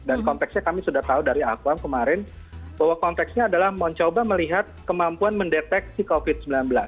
dan konteksnya kami sudah tahu dari akuam kemarin bahwa konteksnya adalah mencoba melihat kemampuan mendeteksi covid sembilan belas